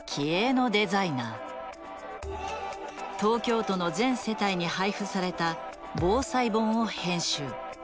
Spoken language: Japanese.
東京都の全世帯に配付された防災本を編集。